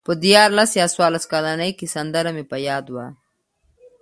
په دیارلس یا څوارلس کلنۍ کې سندره مې په یاد وه.